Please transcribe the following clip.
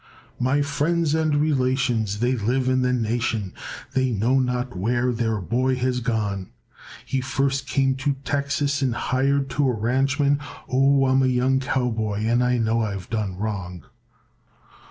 "My friends and relations, they live in the Nation, They know not where their boy has gone. He first came to Texas and hired to a ranchman, Oh, I'm a young cowboy and I know I've done wrong.